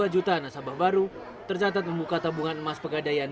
dua juta nasabah baru tercatat membuka tabungan emas pegadaian